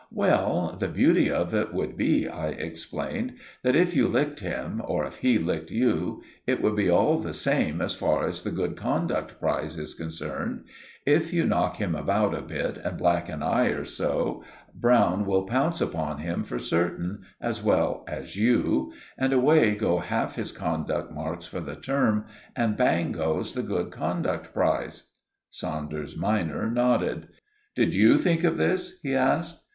"Well, the beauty of it would be," I explained, "that if you licked him, or if he licked you, it would be all the same as far as the Good Conduct Prize is concerned. If you knock him about a bit and black an eye or so, Browne will pounce upon him for certain, as well as you, and away go half his conduct marks for the term, and bang goes the Good Conduct Prize." Saunders minor nodded. "Did you think of this?" he asked.